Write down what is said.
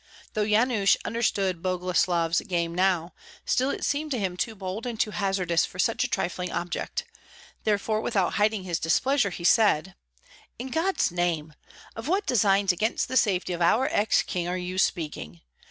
Though Yanush understood Boguslav's game now, still it seemed to him too bold and too hazardous for such a trifling object; therefore without hiding his displeasure he said, "In God's name, of what designs against the safety of our ex king are you speaking?